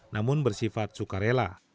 namun bersifat suka rela